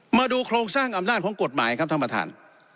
มาดูโครงสร้างอำนาจของกฎหมายครับท่านประธาน